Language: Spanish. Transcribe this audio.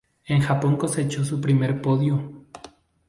En Japón cosechó su primer podio.